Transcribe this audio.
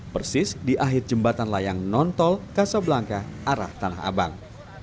persis di akhir jembatan layang nontol kasablangka arah tanah abang